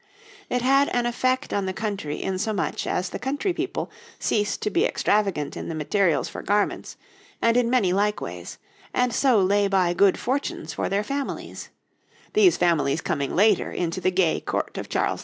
It had an effect on the country insomuch as the country people ceased to be extravagant in the materials for garments and in many like ways, and so lay by good fortunes for their families these families coming later into the gay court of Charles II.